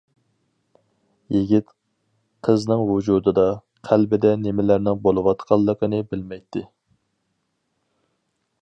يىگىت قىزنىڭ ۋۇجۇدىدا، قەلبىدە نېمىلەرنىڭ بولۇۋاتقانلىقىنى بىلمەيتتى.